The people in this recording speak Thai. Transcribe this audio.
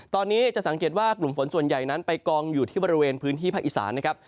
ตอนนี้จะสังเกตว่ากลุ่มฝนส่วนใหญ่นั้นไปกองอยู่ที่บริเวณพื้นที่ภาคอีสานนะครับ